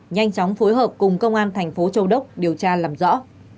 nhanh chóng phối hợp cùng công an thành phố châu đốc điều tra làm rõ